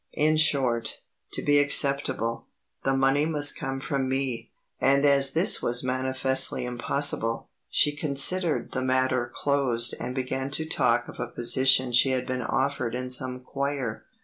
In short, to be acceptable, the money must come from me, and as this was manifestly impossible, she considered the matter closed and began to talk of a position she had been offered in some choir.